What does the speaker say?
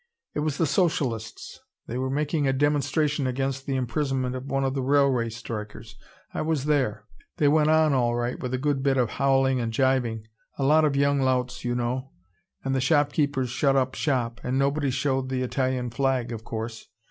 It was the socialists. They were making a demonstration against the imprisonment of one of the railway strikers. I was there. They went on all right, with a good bit of howling and gibing: a lot of young louts, you know. And the shop keepers shut up shop, and nobody showed the Italian flag, of course.